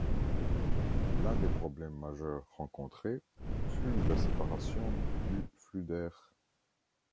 L'un des problèmes majeurs rencontrés fut la séparation du flux d'air.